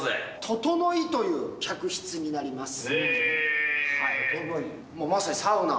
トトノイという客室になります。